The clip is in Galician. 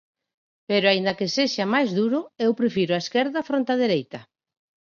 Pero aínda que sexa máis duro, eu prefiro a esquerda fronte á dereita.